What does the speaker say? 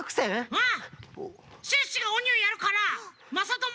うん！